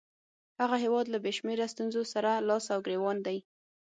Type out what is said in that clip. هغه هیواد له بې شمېره ستونزو سره لاس او ګرېوان دی.